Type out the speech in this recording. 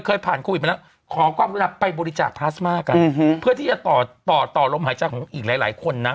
เคยผ่านโควิดมาแล้วขอความรับไปบริจาคพลาสมากันเพื่อที่จะต่อต่อต่อลมหายใจของอีกหลายคนนะ